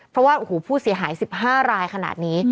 เพราะว่าโอ้โหผู้เสียหาย๑๕รายขนาดนี้